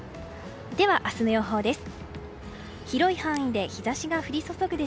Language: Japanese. では明日の予報です。